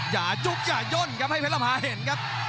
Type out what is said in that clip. อย่ายุกอย่ายนให้เพลรภาเห็นครับ